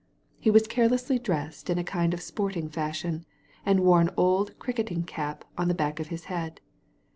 He was carelessly dressed in a kind of sporting fashion, and wore an old cricketing cap on the back of his head.